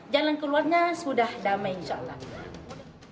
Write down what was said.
jalan keluarnya sudah damai insya allah